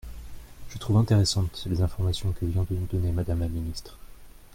Je trouve intéressantes les informations que vient de nous donner Madame la ministre.